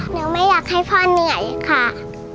ไม่อยากให้พ่อเหนื่อยค่ะ